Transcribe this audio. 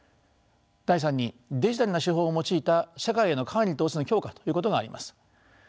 第３にデジタルな手法を用いた社会への管理統制の強化ということがあります。